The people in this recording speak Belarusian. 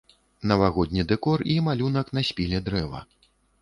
Навагодні дэкор і малюнак на спіле дрэва.